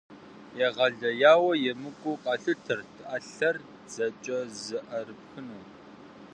Егъэлеяуэ емыкӏуу къалъытэрт ӏэлъэр дзэкӏэ зыӏэрыпхыну.